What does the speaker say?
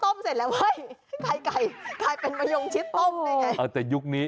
แต่พอต้มเสร็จแล้วเฮ้ยไข่เป็นมะยงชิดต้มได้ไง